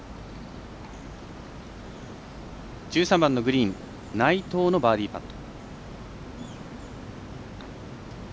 １３番のグリーン内藤のバーディーパット。